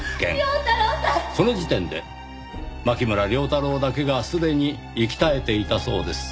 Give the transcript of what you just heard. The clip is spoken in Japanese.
その時点で牧村遼太郎だけがすでに息絶えていたそうです。